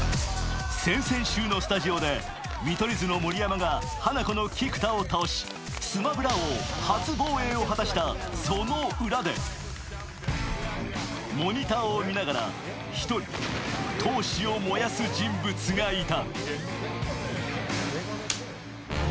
先々週のスタジオで見取り図の盛山がハナコの菊田を倒しスマブラ王初防衛を果たしたその裏でモニターを見ながら１人闘志を燃やす人物がいた。